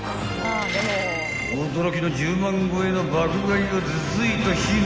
［驚きの１０万超えの爆買いをずずいと披露］